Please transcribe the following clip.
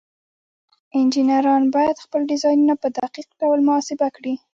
انجینران باید خپل ډیزاینونه په دقیق ډول محاسبه کړي.